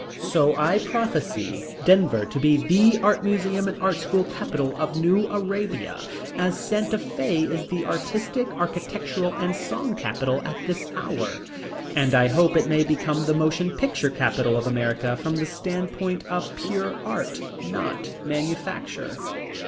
So I prophesy Denver to be the Museum and Art school capital of New Arabia, as Santa Fe is the artistic, architectural, and song capital at this hour. And I hope it may become the motion picture capital of America from the standpoint of pure art, not manufacture.